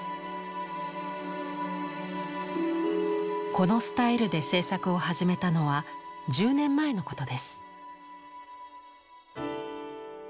このスタイルで制作を始めたのは１０年前のことです。